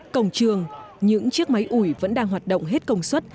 cổng trường những chiếc máy ủi vẫn đang hoạt động hết công suất